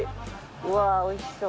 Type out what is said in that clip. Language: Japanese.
うわぁおいしそう。